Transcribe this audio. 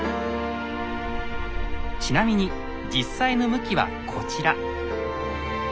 ちなみに実際の向きはこちら。